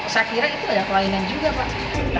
saya kira itu ada kelainan juga pak